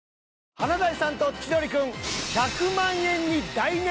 「華大さんと千鳥くん」